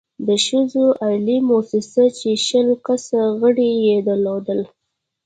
د ښځو عالي مؤسسه چې شل کسه غړې يې درلودل،